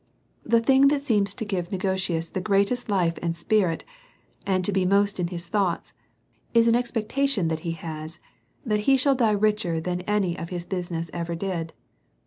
The thing that seems to give Negotius the greatest life and spirit, and to be most in his thoughts, is an expectation that he shall die richer than any of his business ever did.